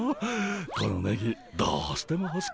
このネギどうしてもほしかったんだ。